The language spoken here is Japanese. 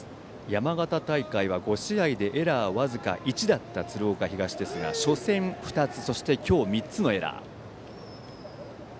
山形大会は５試合でエラー僅か１だった鶴岡東ですが初戦、２つそして、今日３つのエラー。